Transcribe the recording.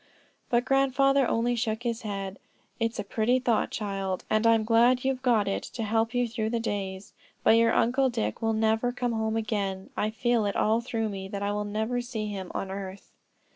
But grandfather only shook his head. "It's a pretty thought, child, and I'm glad you've got it to help you through the days; but your Uncle Dick will never come home again. I feel it all through me that I will never see him on earth."